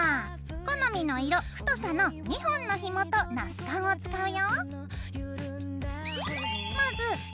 好みの色太さの２本のひもとナスカンを使うよ。